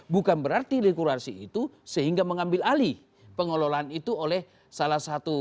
bukan berarti regulasi itu sehingga mengambil alih pengelolaan itu oleh salah satu